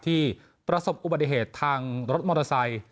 ประสบอุบัติเหตุทางรถมอเตอร์ไซค์